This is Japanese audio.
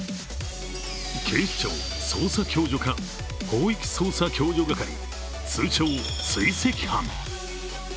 警視庁捜査共助課広域捜査共助係、通称・追跡班。